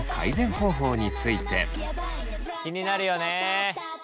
気になるよね。